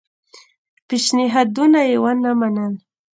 پېشنهادونه یې ونه منل.